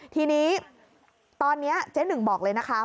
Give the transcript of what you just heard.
ทีนี้ตอนนี้เจ๊หนึ่งบอกเลยนะคะ